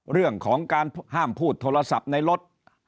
เรื่องของการห้ามพูดโทรศัพท์ในรถ